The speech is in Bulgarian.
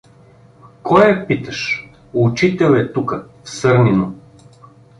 Кой е, питаш — учител е тука, в Сърнино.